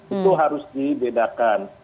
itu harus dibedakan